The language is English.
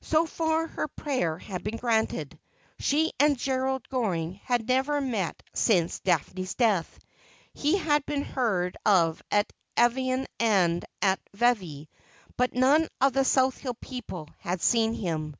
So far her prayer had been granted. She and Gerald Goring had never met since Daphne's death. He had been heard of at Evian and then at Vevey ; but none of the South Hill people had seen him.